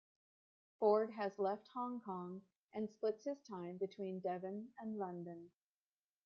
Ford has left Hong Kong and splits his time between Devon and London.